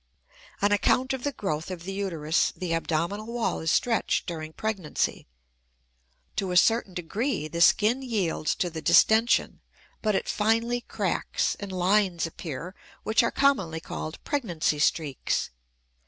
On account of the growth of the uterus the abdominal wall is stretched during pregnancy. To a certain degree the skin yields to the distention, but it finally cracks, and lines appear which are commonly called "pregnancy streaks."